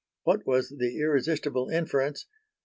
What was the irresistible inference?